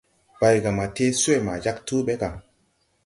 Baygama tee swee ma jāg tuu ɓe ga.